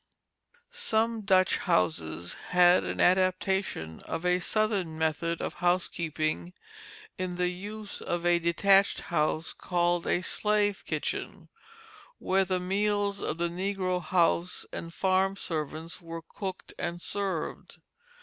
Some Dutch houses had an adaptation of a Southern method of housekeeping in the use of a detached house called a slave kitchen, where the meals of the negro house and farm servants were cooked and served.